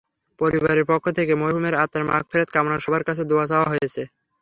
পরিবারের পক্ষ থেকে মরহুমের আত্মার মাগফিরাত কামনায় সবার কাছে দোয়া চাওয়া হয়েছে।